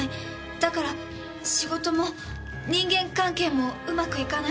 だから仕事も人間関係もうまくいかない。